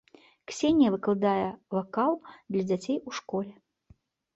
Ксенія выкладае вакал для дзяцей у школе.